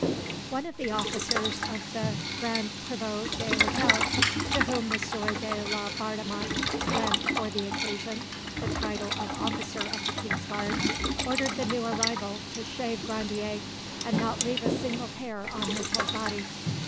One of the officers of the 'grand privot de l'hotel', to whom M. de Laubardemont lent for the occasion the title of officer of the king's guard, ordered the new arrival to shave Grandier, and not leave a single hair on his whole body.